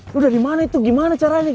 lu dari mana itu gimana caranya